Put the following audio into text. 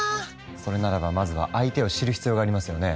それならばまずは相手を知る必要がありますよね！